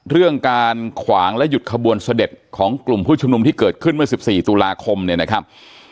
เรื่องการขวางและหยุดขบวนเสด็จของกลุ่มผู้ชุมนุมที่เกิดขึ้นเมื่อ๑๔ตุลาคมเนี่ยนะครับ